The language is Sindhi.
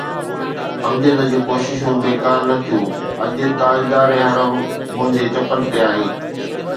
امجد جون ڪوششون بيڪار نه ٿيون، اڄ ”تاجدار حرم“ منهنجي چپن تي آهي.